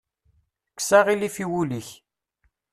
Kkes aɣilif i wul-ik.